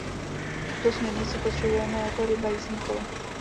Tuto směrnici potřebujeme jako ryba jízdní kolo.